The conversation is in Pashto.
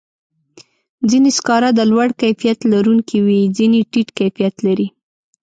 ځینې سکاره د لوړ کیفیت لرونکي وي، ځینې ټیټ کیفیت لري.